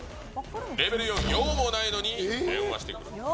レベル４、用もないのに電話してくる。